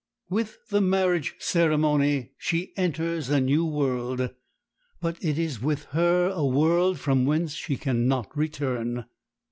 With the marriage ceremony she enters a new world; but it is with her a world from whence she can not return.